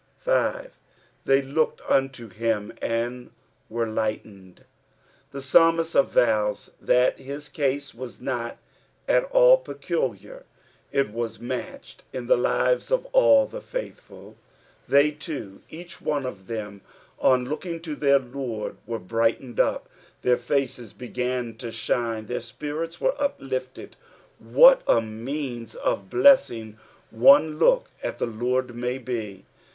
5. " Tiey looted unto him, and «ere lightened.''' The psalmist avows that his fase was not at al) peculiar, it was matched in the lives of all the faithful ; the; too, each one of them on looking to their Lord were brightened up, their faces began to shine, their spirits were uplifted. What a means of blesang one look at the Lord may be